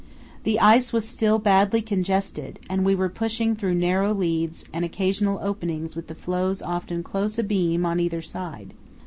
The ice was still badly congested, and we were pushing through narrow leads and occasional openings with the floes often close abeam on either side.